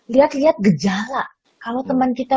liat liat gejala kalo teman kita